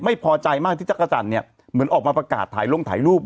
ไม่พอใจมากที่จักรจันทร์เนี่ยเหมือนออกมาประกาศถ่ายลงถ่ายรูป